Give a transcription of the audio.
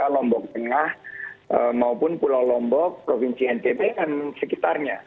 lombok tengah maupun pulau lombok provinsi ntb dan sekitarnya